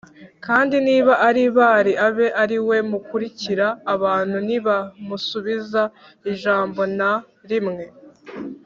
kandi niba ari Bāli abe ari we mukurikira” Abantu ntibamusubiza ijambo na rimwe